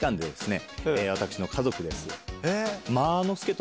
私の家族です。